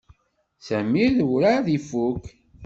Samir werɛad ifuk.